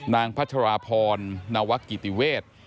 นางพัชรพรนวกิติเวศ